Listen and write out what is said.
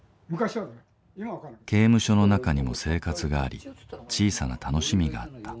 刑務所の中にも生活があり小さな楽しみがあった。